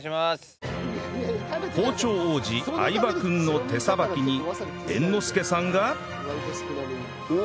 包丁王子相葉君の手さばきに猿之助さんが